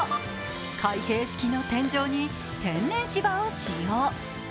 開閉式の天井に天然芝を使用。